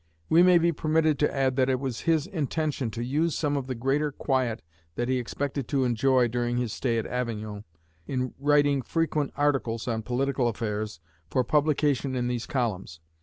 We may be permitted to add that it was his intention to use some of the greater quiet that he expected to enjoy during his stay at Avignon in writing frequent articles on political affairs for publication in these columns.